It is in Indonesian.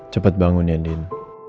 cepet bangun ya din